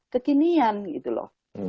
kekinian gitu loh